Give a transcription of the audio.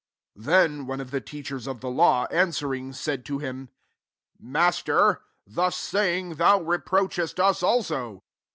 *l 45 Then one of the tedchers of the law answering, said to him, ^ Master, thus say^ig^ thou reproachest us also.